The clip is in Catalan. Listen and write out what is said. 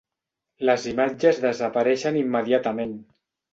Les imatges desapareixen immediatament.